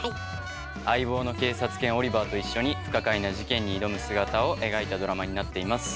相棒の警察犬オリバーと一緒に不可解な事件に挑む姿を描いたドラマになっています。